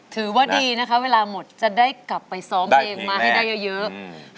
ถือว่าดีนะคะเวลาหมดจะได้กลับไปซ้อมเพลงมาให้ได้เยอะ